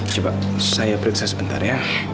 coba saya periksa sebentar ya